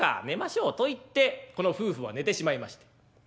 「寝ましょう」と言ってこの夫婦は寝てしまいまして。